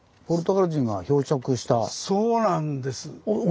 そうなんです。